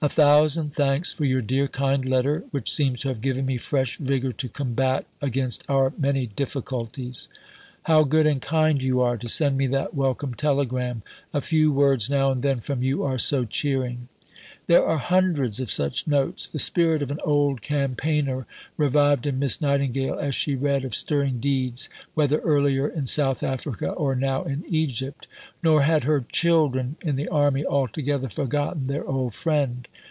"A thousand thanks for your dear kind letter, which seems to have given me fresh vigour to combat against our many difficulties." "How good and kind you are to send me that welcome telegram. A few words now and then from you are so cheering." There are hundreds of such notes. The spirit of an old campaigner revived in Miss Nightingale as she read of stirring deeds, whether earlier in South Africa or now in Egypt. Nor had her "children" in the army altogether forgotten their old friend.